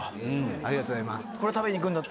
ありがとうございます。